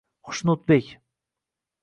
👉 xushnudbek 👈